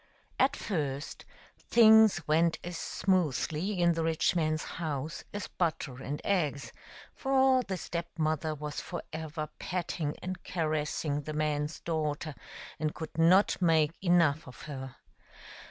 At first things went as smoothly in the rich man's house as butter and eggs, for the Step mother was forever petting and caressing the man's daughter, and could not make enough of her.